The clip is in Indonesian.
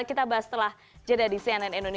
kita bahas setelah jeda di cnn indonesia